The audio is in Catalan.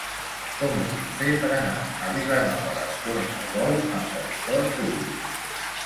Com ho puc fer per anar a Vilanova d'Escornalbou amb trasport públic?